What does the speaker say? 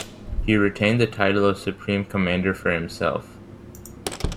He retained the title of Supreme Commander for himself.